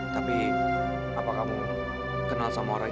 tapi apa kamu kenal sama orang